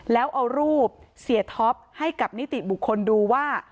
แล้วเอารูปเสียท็อปให้กับนิติบุคคลดูว่า